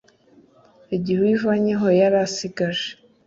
Igihe uwo ivanyeho yari asigaje